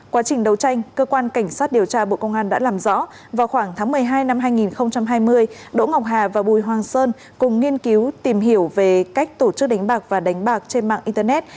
quá trình đấu tranh cơ quan cảnh sát điều tra bộ công an đã làm rõ vào khoảng tháng một mươi hai năm hai nghìn hai mươi đỗ ngọc hà và bùi hoàng sơn cùng nghiên cứu tìm hiểu về cách tổ chức đánh bạc và đánh bạc trên mạng internet